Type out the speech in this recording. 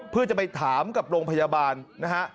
เพื่อจะไปถามกับโรงพยาบาลนะฮะ